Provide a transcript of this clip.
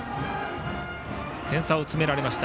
点差を詰められました。